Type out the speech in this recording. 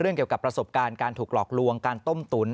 เกี่ยวกับประสบการณ์การถูกหลอกลวงการต้มตุ๋น